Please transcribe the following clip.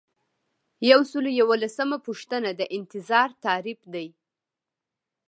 یو سل او یوولسمه پوښتنه د انتظار تعریف دی.